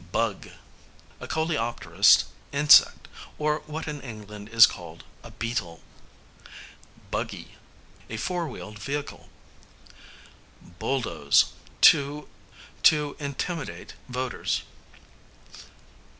Bug, a coleopterous insect, or what in England is called a beetle. Buggy, a four wheeled vehicle. Bulldose, to; to intimidate voters.